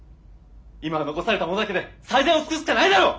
今残された者だけで最善を尽くすしかないだろう！